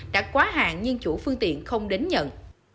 đã quá hạn nhưng chủ phương tiện không đến nhận